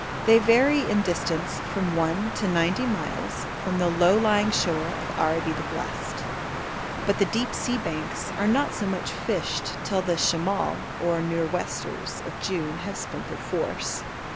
They vary in distance from one to ninety miles from the low lying shore of 'Araby the Blest,' but the deep sea banks are not so much fished till the 'Shemal' or nor'westers of June have spent their force.